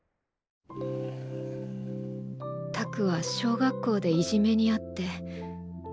拓は小学校でいじめに遭って。